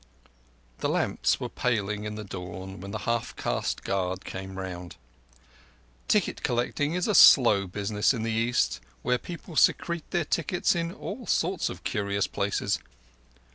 The lamps were paling in the dawn when the half caste guard came round. Ticket collecting is a slow business in the East, where people secrete their tickets in all sorts of curious places.